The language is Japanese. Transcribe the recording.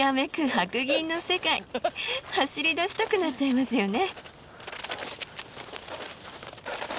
白銀の世界走りだしたくなっちゃいますよね。